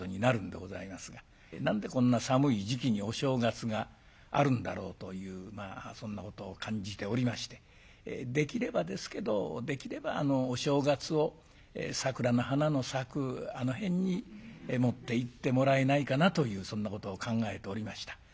何でこんな寒い時期にお正月があるんだろうというそんなことを感じておりましてできればですけどできればお正月を桜の花の咲くあの辺に持っていってもらえないかなというそんなことを考えておりました。